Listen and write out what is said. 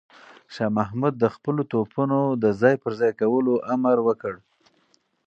شاه محمود د خپلو توپونو د ځای پر ځای کولو امر وکړ.